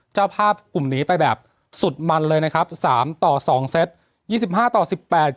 เจ้าภาพกลุ่มนี้ไปแบบสุดมันเลยนะครับสามต่อสองเซตยี่สิบห้าต่อสิบแปด